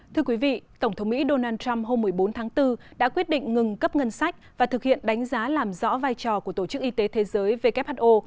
thưa quý vị tổng thống mỹ donald trump hôm một mươi bốn tháng bốn đã quyết định ngừng cấp ngân sách và thực hiện đánh giá làm rõ vai trò của tổ chức y tế thế giới who